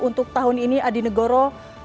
untuk tahun ini adinegoro dua ribu dua puluh dua